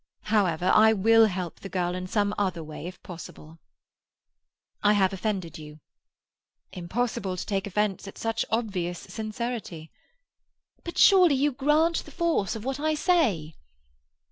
However, I will help the girl in some other way, if possible." "I have offended you." "Impossible to take offence at such obvious sincerity." "But surely you grant the force of what I say?"